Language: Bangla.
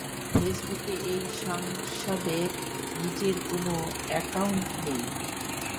ফেসবুকে এই সাংসদের নিজের কোনো অ্যাকাউন্ট নেই।